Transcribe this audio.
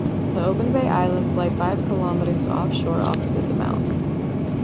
The Open Bay Islands lie five kilometres offshore opposite the mouth.